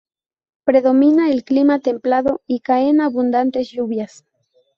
Predomina el clima templado, y caen abundantes lluvias.